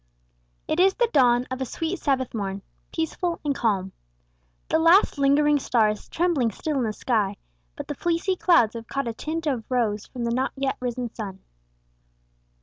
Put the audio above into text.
It is the dawn of a sweet Sabbath morn, peaceful and calm. The last lingering star is trembling still in the sky, but the fleecy clouds have caught a tint of rose from the not yet risen sun.